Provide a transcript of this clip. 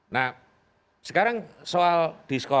nah sekarang soal disitu